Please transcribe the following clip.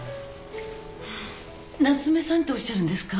夏目さんとおっしゃるんですか？